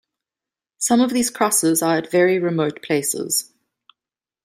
Some of these crosses are at very remote places.